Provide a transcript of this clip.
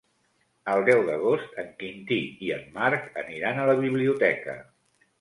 El deu d'agost en Quintí i en Marc aniran a la biblioteca.